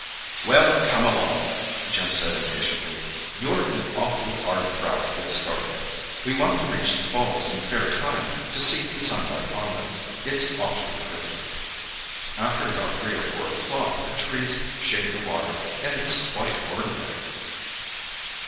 "Well, come along," Jim said impatiently—"you're an awfully hard crowd to get started. We want to reach the falls in fair time, to see the sunlight on them—it's awfully pretty. After about three or four o'clock the trees shade the water, and it's quite ordinary."